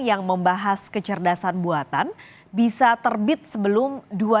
yang membahas kecerdasan buatan bisa terbit sebelum dua ribu dua puluh